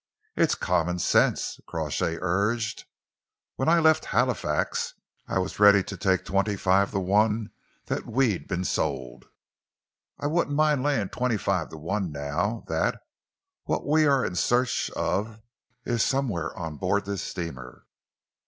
"It's common sense," Crawshay urged. "When I left Halifax, I was ready to take twenty five to one that we'd been sold. I wouldn't mind laying twenty five to one now that what we are in search of is somewhere on board this steamer.